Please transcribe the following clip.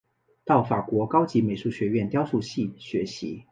到法国高级美术学院雕塑系学习。